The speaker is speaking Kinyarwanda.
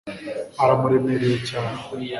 aramuremereye cyane